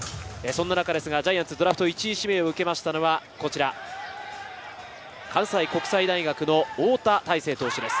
ジャイアンツドラフト１位指名を受けましたのは、関西国際大学の翁田大勢投手です。